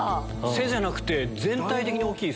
背じゃなくて全体的に大きい。